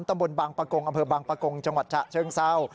ตำบลบางปะกงอำเภอบางปะกงจังหวัดฉะเชิงเศร้า